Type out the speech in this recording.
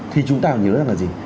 thì chúng ta phải nhớ rằng là gì